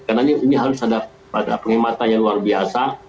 karena ini harus ada penghematan yang luar biasa